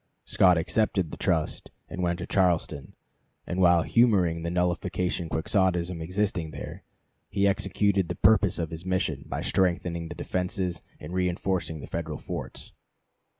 Scott accepted the trust and went to Charleston, and while humoring the nullification Quixotism existing there, he executed the purpose of his mission, by strengthening the defenses and reenforcing; the Federal forts.